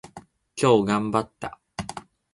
今日頑張った。